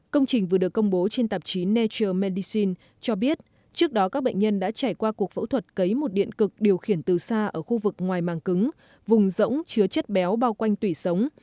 công trình vừa được công bố trên tạp chí nature medicine cho biết trước đó các bệnh nhân đã trải qua cuộc phẫu thuật cấy một điện cực điều khiển từ xa ở khu vực ngoài màng cứng vùng rỗng chứa chất béo bao quanh tủy sống